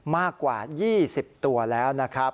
มากกว่า๒๐ตัวแล้วนะครับ